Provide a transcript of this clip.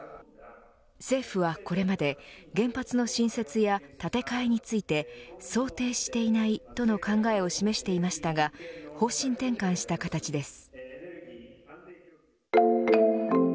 政府はこれまで原発の新設や建て替えについて想定していないとの考えを示していましたが方針転換した形です。